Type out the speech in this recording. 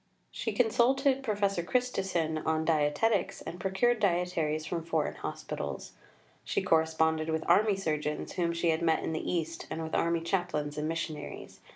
She consulted Professor Christison on dietetics, and procured dietaries from foreign hospitals. She corresponded with Army Surgeons whom she had met in the East, and with Army chaplains and missionaries.